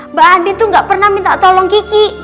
mbak andi itu nggak pernah minta tolong kiki